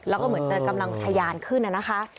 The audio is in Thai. แล้วก็เหมือนจะกำลังทะยานขึ้นน่ะนะคะ